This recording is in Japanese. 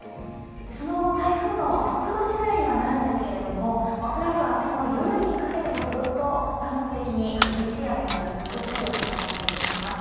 その後、台風の速度次第にはなるんですけど恐らく明日の夜にかけてもずっと断続的に激しい雨が続くという形になります。